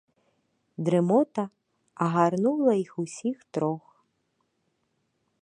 Дрымота агарнула іх усіх трох.